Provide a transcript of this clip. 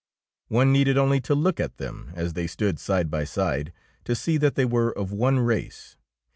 One needed only to look at them as they stood side by side, to see that they were of one race.